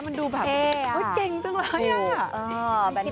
มันดูแบบเก่งจริงนะ